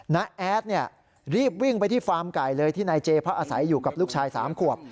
แอดรีบวิ่งไปที่ฟาร์มไก่เลยที่นายเจพักอาศัยอยู่กับลูกชาย๓ขวบ